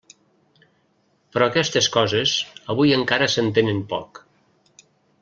Però aquestes coses avui encara s'entenen poc.